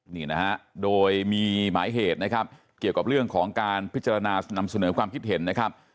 นี่นะฮะโดยมีหมายเหตุนะครับเกี่ยวกับเรื่องของการพิจารณานำเสนอความคิดเห็นนะครับ